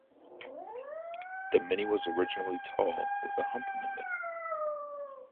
The mini was originally tall with a hump in the middle.